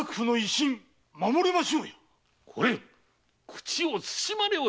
口を慎まれよ。